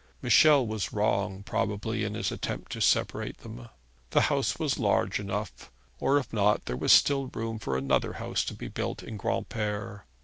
Michel was wrong, probably, in his attempt to separate them. The house was large enough, or if not, there was still room for another house to be built in Granpere.